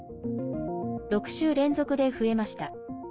６週連続で増えました。